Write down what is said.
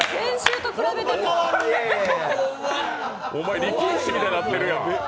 お前、力石みたいになってるやん。